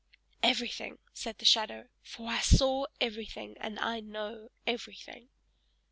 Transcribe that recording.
"Everything!" said the shadow. "For I saw everything, and I know everything!"